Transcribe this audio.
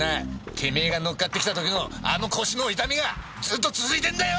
てめえが乗っかってきた時のあの腰の痛みがずっと続いてんだよ！